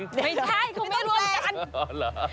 ไม่ใช่เขาไม่รวมกัน